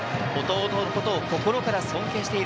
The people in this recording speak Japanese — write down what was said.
弟のことを心から尊敬している。